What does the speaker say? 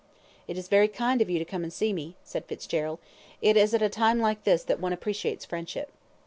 "It is very kind of you to come and see me," said Fitzgerald; "it is at a time like this that one appreciates friendship."